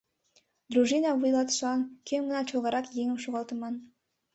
Дружина вуйлатышылан кӧм-гынат чолгарак еҥым шогалтыман.